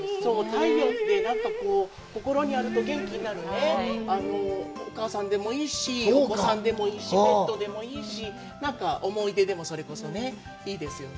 太陽って何か、心にあると元気になるね、お母さんでもいいし、お子さんでもいいし、ペットでもいいし、なんか思い出でも、それこそいいですよね。